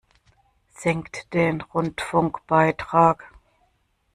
Senkt den Rundfunkbeitrag!